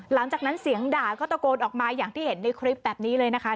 หลังจากนั้นเสียงด่าก็ตะโกนออกมาอย่างที่เห็นในคลิปแบบนี้เลยนะคะ